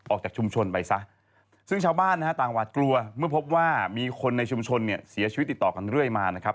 ออกจากชุมชนไปซะ